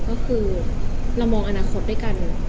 ก็คือเรามองอนาคตด้วยกัน